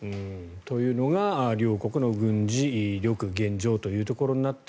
というのが両国の軍事力現状というところになって